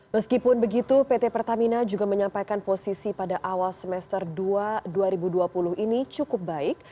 meskipun begitu pt pertamina juga menyampaikan posisi pada awal semester dua ribu dua puluh ini cukup baik